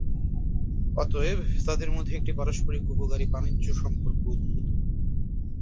অতএব, তাদের মধ্যে একটি পারস্পরিক উপকারী বাণিজ্য সম্পর্ক উদ্ভূত।